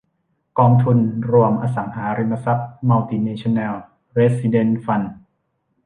กองทุนรวมอสังหาริมทรัพย์มัลติเนชั่นแนลเรสซิเดนซ์ฟันด์